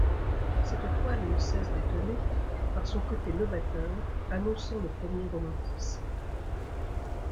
Cette toile ne cesse d’étonner par son côté novateur annonçant le premier romantisme.